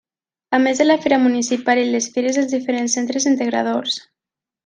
A més de la fira municipal i les fires dels diferents centres integradors.